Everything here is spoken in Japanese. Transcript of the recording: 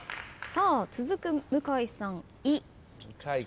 続く向井さん「い」